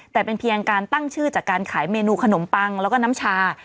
แต่เป็นเพียงการตั้งชื่อจากการขายเมนูขนมปังแล้วก็น้ำชา